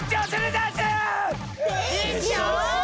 でしょ？